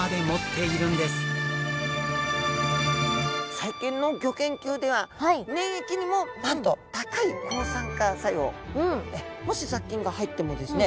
最近のギョ研究では粘液にもなんと高い抗酸化作用もし雑菌が入ってもですね